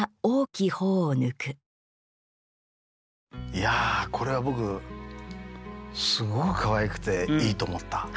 いやこれは僕すごくかわいくていいと思った。